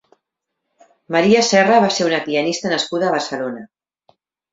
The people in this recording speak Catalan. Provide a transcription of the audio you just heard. Maria Serra va ser una pianista nascuda a Barcelona.